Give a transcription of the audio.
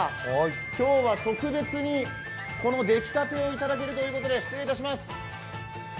今日は特別に出来たてをいただけるということで失礼します。